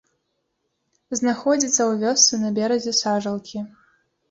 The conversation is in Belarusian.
Знаходзіцца ў вёсцы на беразе сажалкі.